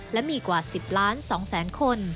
และมีกว่า๑๐ล้าน๒แสนคน